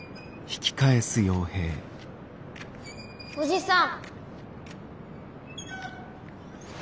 おじさん。